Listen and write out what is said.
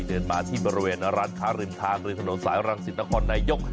เดินมาที่บริเวณร้านค้าริมทางริมถนนสายรังสิตนครนายก